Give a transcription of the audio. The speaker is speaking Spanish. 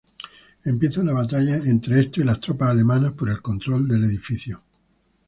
Empieza una batalla entre estos y las tropas alemanas por el control del edificio.